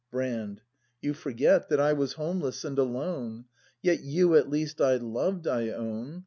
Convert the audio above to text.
Brand. You forget That I was homeless and alone. Yet you at least I loved, I own.